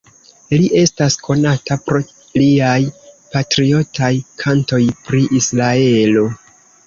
Li estas konata pro liaj patriotaj kantoj pri Israelo.